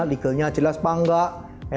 legalnya jelas apa nggak